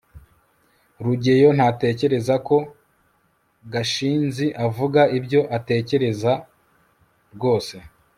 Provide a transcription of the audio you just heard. rugeyo ntatekereza ko gashinzi avuga ibyo atekereza rwose